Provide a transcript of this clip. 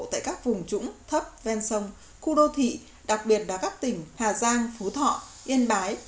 tại các vùng trũng thấp ven sông khu đô thị đặc biệt là các tỉnh hà giang phú thọ yên bái